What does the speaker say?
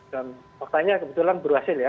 dan faktanya kebetulan berhasil ya